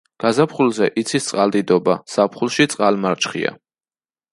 გაზაფხულზე იცის წყალდიდობა, ზაფხულში წყალმარჩხია.